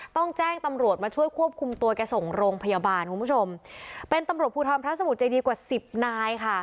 ต้องแจ้งตำรวจมาช่วยควบคุมตัวแกส่งโรงพยาบาลคุณผู้ชมเป็นตำรวจภูทรพระสมุทรเจดีกว่าสิบนายค่ะ